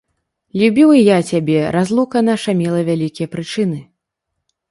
Любіў і я цябе, разлука наша мела вялікія прычыны.